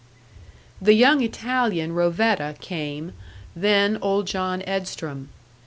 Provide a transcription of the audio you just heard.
The young Italian, Rovetta, came, then old John Edstrom.